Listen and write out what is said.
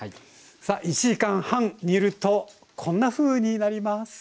さあ１時間半煮るとこんなふうになります。